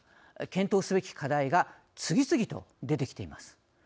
検討すべき課題が次々と出てきています。